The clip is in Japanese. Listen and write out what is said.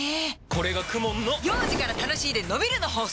これがＫＵＭＯＮの幼児から楽しいでのびるの法則！